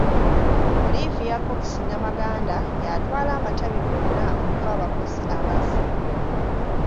Olivia Cox Namaganda y'atwala amatabi gonna omuva abakozi abaasiimibwa.